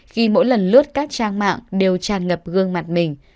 khi mỗi lần lướt các trang mạng đều tràn ngập gương mặt mình